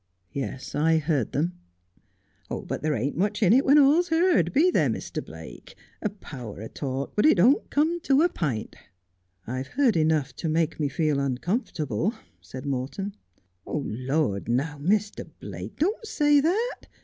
' Yes, I heard them.' ' But there ain't much in it when all's heerd, be there, Mr. Blake 1 A power o' talk, but it don't come to a pint.' ' I've heard enough to make me feel uncomfortable,' said Morton. ' Lord, now, Mr. Blake, don't say that.